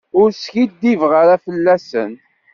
Ur skiddib ara fell-asen.